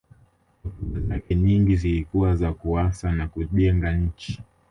hotuba zake nyingi zilikuwa za kuasa na kujenga nchi